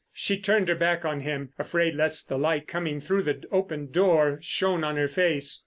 She turned her back on him, afraid lest the light coming through the open door shone on her face.